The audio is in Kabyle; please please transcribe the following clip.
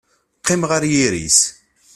Qqimeɣ ɣer yiri-s.